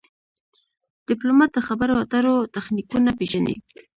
ډيپلومات د خبرو اترو تخنیکونه پېژني.